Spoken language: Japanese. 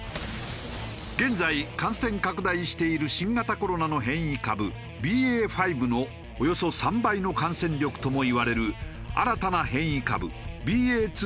現在感染拡大している新型コロナの変異株ＢＡ．５のおよそ３倍の感染力ともいわれる新たな変異株ＢＡ．２．７５